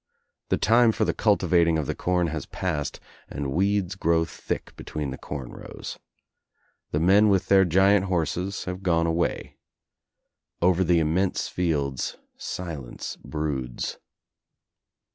The time for the cultivating of the corn has passed and weeds grow thick between the corn rows. The men with their giant horses have gone away. Over the immense fields silence broods.